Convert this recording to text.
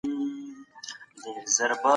د نمراتو د ثبت لپاره الکترونیکي سیسټم کارول کیږي؟